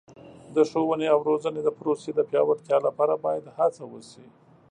د ښوونې او روزنې د پروسې د پیاوړتیا لپاره باید هڅه وشي.